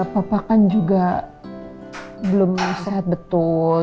papa kan juga belum sehat betul